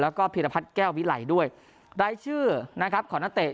แล้วก็เพียรพัฒน์แก้ววิไลด์ด้วยได้ชื่อขอร์ณะเตะ